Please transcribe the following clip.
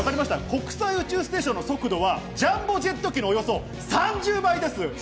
国際宇宙ステーションの速度はジャンボジェット機のおよそ３０倍です。